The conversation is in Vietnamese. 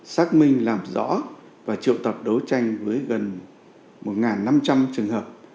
xác minh làm rõ và triệu tập đấu tranh với gần một năm trăm linh trường hợp